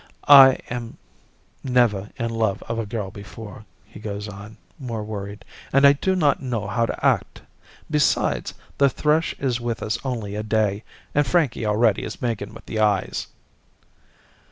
"I am never in love of a girl before," he goes on, more worried, "and I do not know how to act. Besides, the thrush is with us only a day, and Frankie already is making with the eyes."